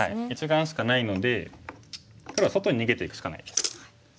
１眼しかないので黒は外に逃げていくしかないです。